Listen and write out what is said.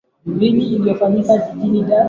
Macho yangu yanauma